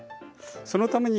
そのために。